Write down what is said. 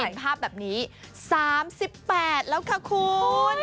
เห็นภาพแบบนี้สามสิบแปดแล้วค่ะคุณ